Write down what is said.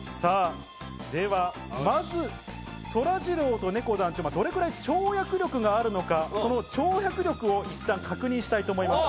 ではまず、そらジローとねこ団長、どれくらい跳躍力があるのか、その跳躍力を一旦確認したいと思います。